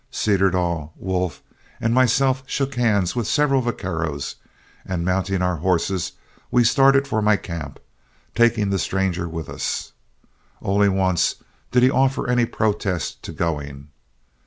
Cederdall, Wolf, and myself shook hands with several vaqueros, and mounting our horses we started for my camp, taking the stranger with us. Only once did he offer any protest to going.